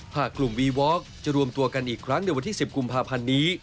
หากกลุ่มวีวอล์จะรวมตัวกันอีกครั้งในวันที่๑๐กุมภาพันธ์นี้